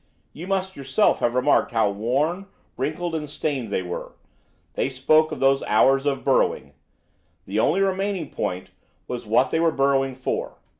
You must yourself have remarked how worn, wrinkled, and stained they were. They spoke of those hours of burrowing. The only remaining point was what they were burrowing for.